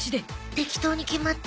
適当に決まった